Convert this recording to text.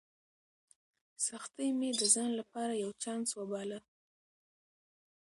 سختۍ مې د ځان لپاره یو چانس وباله.